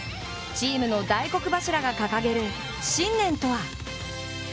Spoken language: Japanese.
チームの大黒柱が掲げる信念とは。